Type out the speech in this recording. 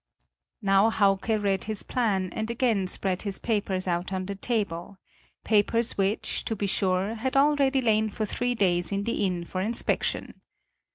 Now Hauke read his plan and again spread his papers out on the table papers which, to be sure, had already lain for three days in the inn for inspection.